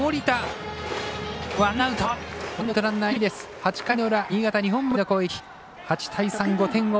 ８回の裏、新潟、日本文理。